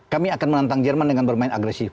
kami akan menantang jerman dengan bermain agresif